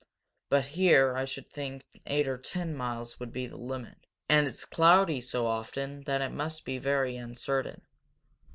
But here I should think eight or ten miles would be the limit. And it's cloudy so often that it must be very uncertain."